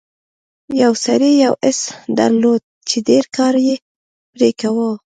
یو سړي یو اس درلود چې ډیر کار یې پرې کاوه.